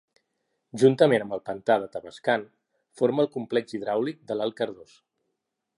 Juntament amb el pantà de Tavascan, forma el complex hidràulic de l'Alt Cardós.